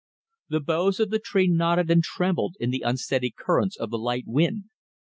The boughs of the tree nodded and trembled in the unsteady currents of the light wind.